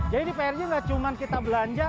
jadi prj nggak cuma kita belanja